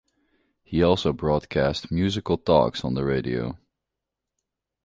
He also broadcast musical talks on the radio.